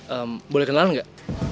em boleh kenalin gak